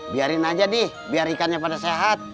biarin aja deh biar ikannya pada sehat